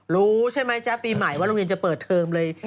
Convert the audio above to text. รู้ใช่ไหมจ๊ะปีใหม่ว่าโรงเรียนจะเปิดเทอมเลย